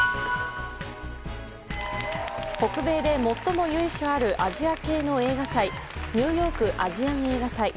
北米で最も由緒あるアジア系の映画祭ニューヨーク・アジアン映画祭。